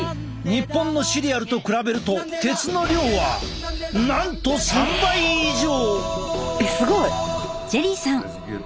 日本のシリアルと比べると鉄の量はなんと３倍以上！